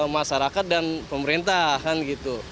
masyarakat dan pemerintah kan gitu